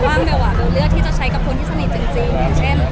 อย่างงานบันช่องกุลกรามฯที่คุณอาจจะตัดตามมากขึ้น